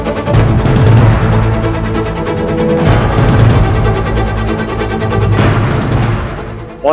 untuk menjadi putra mahkota